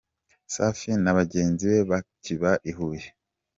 Safi na bagenzi be bakiba i Huye.